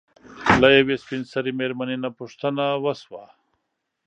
له يوې سپين سري مېرمنې نه پوښتنه وشوه